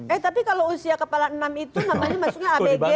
eh tapi kalau usia kepala enam itu kan